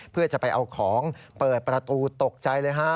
เพื่อจะไปเอาของเปิดประตูตกใจเลยฮะ